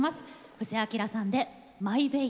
布施明さんで「マイ・ウェイ」。